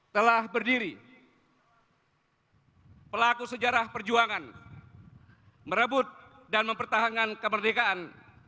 telah berdiri pelaku sejarah perjuangan merebut dan mempertahankan kemerdekaan